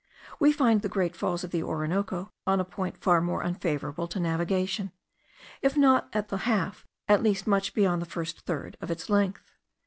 We find the great falls of the Orinoco on a point far more unfavourable to navigation; if not at the half, at least much beyond the first third of its length.